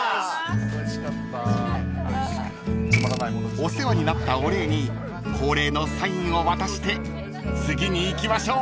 ［お世話になったお礼に恒例のサインを渡して次に行きましょう］